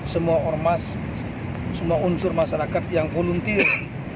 semua ormas semua unsur masyarakat yang volunteer